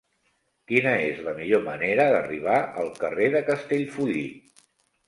Quina és la millor manera d'arribar al carrer de Castellfollit?